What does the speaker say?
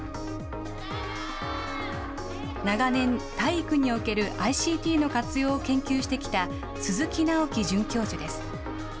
長年、体育におけるＩＣＴの活用を研究してきた鈴木直樹准教授です。